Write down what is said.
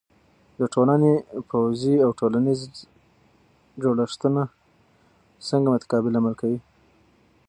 د ټولنې پوځی او ټولنیزې جوړښتونه څنګه متقابل عمل کوي؟